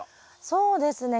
そうですね。